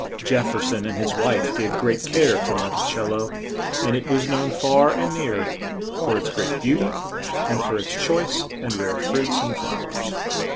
Jef fer son and his wife gave great care to Mon ti cel lo, and it was known far and near for its great beau ty and for its choice and rare fruits and flow ers.